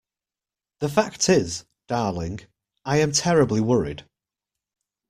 The fact is, darling, I am terribly worried.